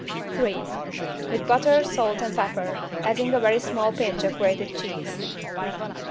3. With butter salt and pepper, adding a very small pinch of grated cheese.